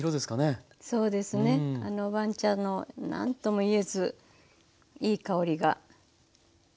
そうですねお番茶の何ともいえずいい香りが。